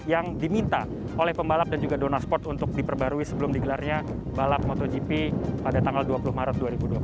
yang diminta oleh pembalap dan juga dona sport untuk diperbarui sebelum digelarnya balap motogp pada tanggal dua puluh maret dua ribu dua puluh